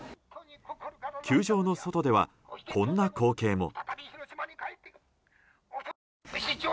球場の外では、こんな光景も。